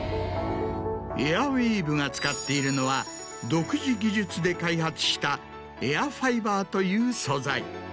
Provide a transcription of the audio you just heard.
エアウィーヴが使っているのは独自技術で開発したエアファイバーという素材。